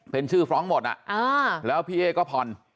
เป็นชื่อฟ้องหมดแล้วพี่เอ๊ก็ผ่อน